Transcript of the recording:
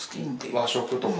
和食とか。